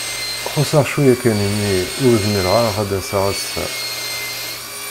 Ḥuseɣ cwiya kan i mi ur zmireɣ ara ad d-aseɣ ass-a.